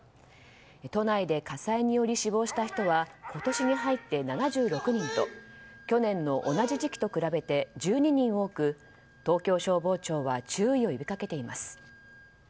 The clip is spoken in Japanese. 都内で火災により死亡した人は今年に入って７６人と去年の同じ時期と比べて１２人多く、東京消防庁は注意を呼びかけています。